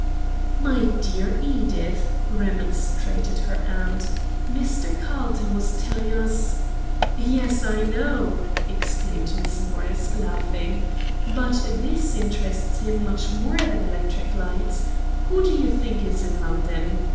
"My dear Edith," remonstrated her aunt, "Mr. Carlton was telling us " "Yes, I know," exclaimed Miss Morris, laughing, "but this interests him much more than electric lights. Who do you think is in London?"